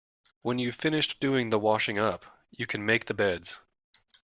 When you’ve finished doing the washing up, you can make the beds